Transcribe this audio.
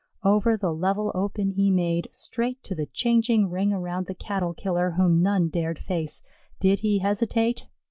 Over the level open he made, straight to the changing ring around the Cattle killer whom none dared face. Did he hesitate?